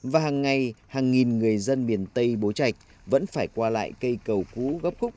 và hàng ngày hàng nghìn người dân miền tây bố trạch vẫn phải qua lại cây cầu cũ gấp khúc